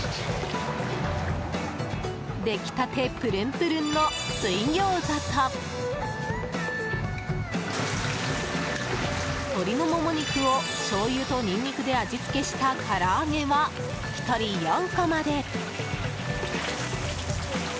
出来たてプルンプルンの水餃子と鶏のモモ肉を、しょうゆとニンニクで味付けしたから揚げは１人４個まで。